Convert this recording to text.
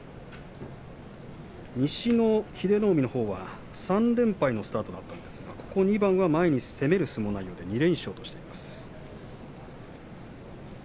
西の英乃海のほうは３連敗のスタートだったんですがここ２番、前に攻める相撲内容で２連勝としています。